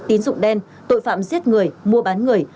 tín dụng đen tội phạm giết người mua bán người